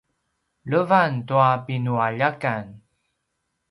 levan tua pinualjakan